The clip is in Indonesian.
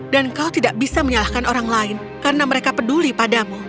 dan kau tidak bisa menyalahkan orang lain karena mereka peduli padamu